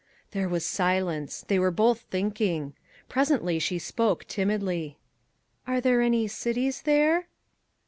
There was silence. They were both thinking. Presently she spoke, timidly. "Are there any cities there?"